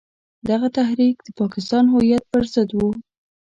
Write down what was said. دغه تحریک د پاکستان هویت پر ضد وو.